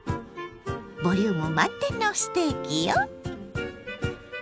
ボリューム満点のステーキよ。